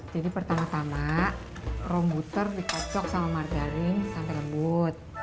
jadi pertama tama rombuter dikocok sama margarin sampai lembut